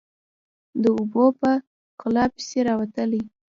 _د اوبو په غلا پسې راوتلی.